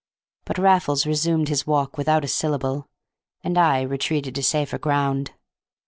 But Raffles resumed his walk without a syllable, and I retreated to safer ground.